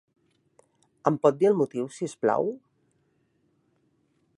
Em pot dir el motiu, si us plau?